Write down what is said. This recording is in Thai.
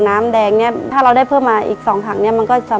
ในแคมเปญพิเศษเกมต่อชีวิตโรงเรียนของหนู